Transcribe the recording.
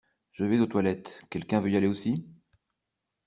Je vais aux toilettes, quelqu'un veut y aller aussi?